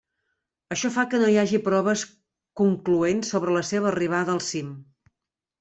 Això fa que no hi hagi proves concloents sobre la seva arribada al cim.